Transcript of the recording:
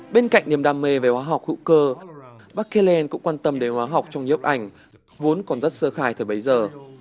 bên cạnh niềm đam mê về hóa học hữu cơ bạc kỳ lên cũng quan tâm đến hóa học trong nhớp ảnh vốn còn rất sơ khai thời bấy giờ